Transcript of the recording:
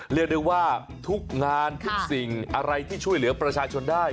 เรียกได้ว่าทุกงานทุกสิ่งอะไรที่ช่วยเหลือประชาชนได้